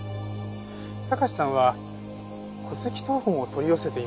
貴史さんは戸籍謄本を取り寄せていました。